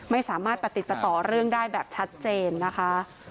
ไม่สามารถประติดประต่อเรื่องได้แบบชัดเจนนะคะ